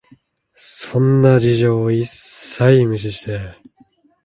そんな事情を一切無視して、